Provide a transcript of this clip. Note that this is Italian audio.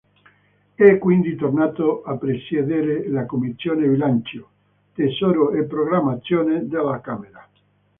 È quindi tornato a presiedere la commissione bilancio, tesoro e programmazione della Camera.